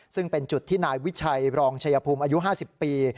ซึ่งเป็นจุดที่นายวิชัยรองชัยภูมิอายุ๕๐ปี